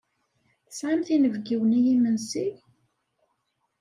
Tesɛamt inebgiwen i yimensi?